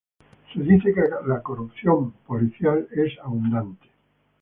Se dice que la corrupción policial es abundante.